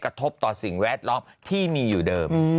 กระทบต่อสิ่งแวดล้อมที่มีอยู่เดิม